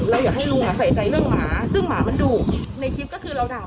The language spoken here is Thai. เราอยากให้ลุงใส่ใจเรื่องหมาซึ่งหมามันดูก